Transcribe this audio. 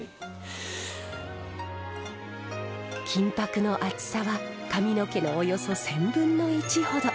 金箔の厚さは髪の毛のおよそ１０００の１ほど。